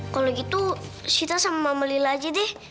kalau gitu sita sama mama lila aja deh